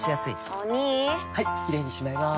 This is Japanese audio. お兄はいキレイにしまいます！